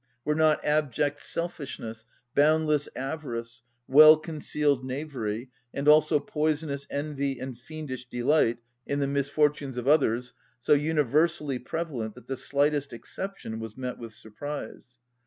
Were not abject selfishness, boundless avarice, well‐ concealed knavery, and also poisonous envy and fiendish delight in the misfortunes of others so universally prevalent that the slightest exception was met with surprise?